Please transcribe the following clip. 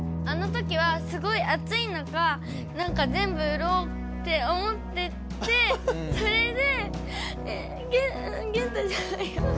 あのときはすごい暑い中なんか全部売ろうって思っててそれでゲンゲンタじゃないや。